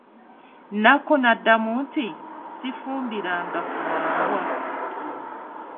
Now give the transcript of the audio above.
Nakku n'addamu nti, Sifumbiranga ku Wambwa.